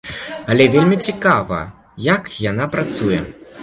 Але вельмі цікава, як яна працуе.